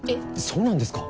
そうなんですか？